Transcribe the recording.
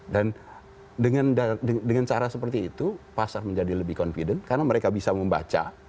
dengan cara seperti itu pasar menjadi lebih confident karena mereka bisa membaca